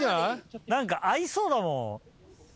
何か合いそうだもん。